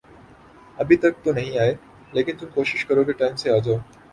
ابھی تک تو نہیں آئے، لیکن تم کوشش کرو کے ٹائم سے آ جاؤ۔